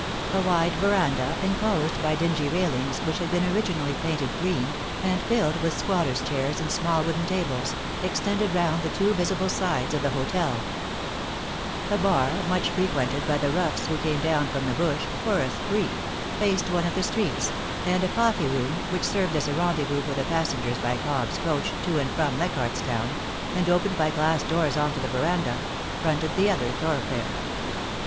A wide verandah, enclosed by dingy railings which had been originally painted green, and filled with squatters' chairs and small wooden tables, ex tended round the two visible sides of the hotel A bar, much frequented by the roughs who came down from the bush * for a spree,' faced one of the streets, and a coffee room, which served as a rendezvous for the passengers by Cobb's coach to and from Leichardt's Town, and opened by glass doors on to the verandah, fronted the other thoroughfare.